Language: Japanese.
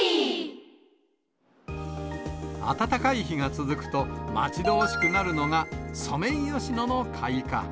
暖かい日が続くと、待ち遠しくなるのがソメイヨシノの開花。